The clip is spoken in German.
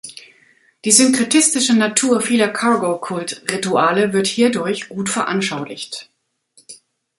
Die synkretistische Natur vieler Cargo-Kult-Rituale wird hierdurch gut veranschaulicht.